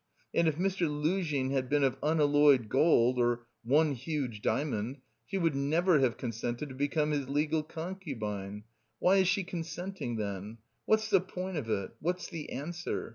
And if Mr. Luzhin had been of unalloyed gold, or one huge diamond, she would never have consented to become his legal concubine. Why is she consenting then? What's the point of it? What's the answer?